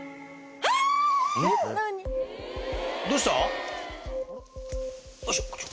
・どうした？